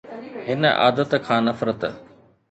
هن عادت کان نفرت